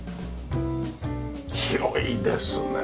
広いですね。